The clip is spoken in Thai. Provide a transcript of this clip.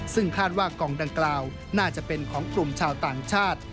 ซึ่งคาดว่ากองดังกล่าวน่าจะเป็นของกลุ่มชาวต่างชาติ